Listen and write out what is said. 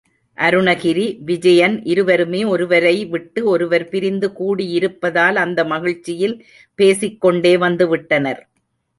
அருணகிரி, விஜயன் இருவருமே ஒருவரை விட்டு ஒருவர் பிரிந்து கூடியிருப்பதால் அந்த மகிழ்ச்சியில் பேசிக்கொண்டே வந்து விட்டனர்.